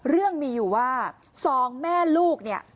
เรื่องมีอยู่ว่าสองแม่ลูกเนี่ย